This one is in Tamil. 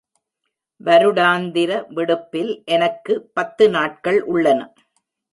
வருடாந்திர விடுப்பில் எனக்கு பத்து நாட்கள் உள்ளன.